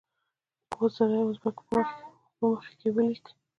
اوو زرو اوزبیکو په مخ کې ولیک.